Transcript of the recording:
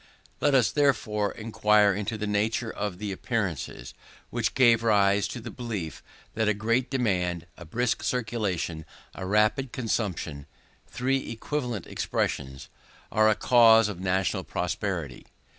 Let us therefore inquire into the nature of the appearances, which gave rise to the belief that a great demand, a brisk circulation, a rapid consumption (three equivalent expressions), are a cause of national prosperity.